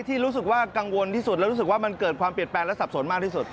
ที่รู้สึกว่ากังวลที่สุดแล้วรู้สึกว่ามันเกิดความเปลี่ยนแปลงและสับสนมากที่สุด